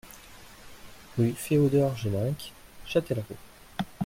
Rue Féodor Jelenc, Châtellerault